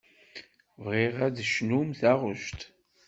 Bɣiɣ ad d-tecnum taɣect.